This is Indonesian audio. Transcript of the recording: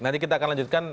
nanti kita akan lanjutkan